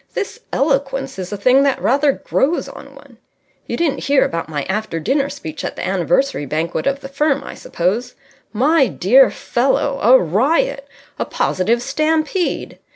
This eloquence is a thing that rather grows on one. You didn't hear about my after dinner speech at the anniversary banquet of the firm, I suppose? My dear fellow, a riot! A positive stampede.